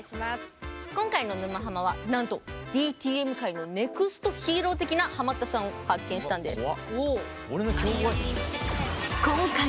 今回の「沼ハマ」はなんとＤＴＭ界のネクストヒーロー的なハマったさんを発見したんです。